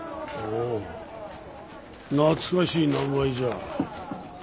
ああ懐かしい名前じゃ。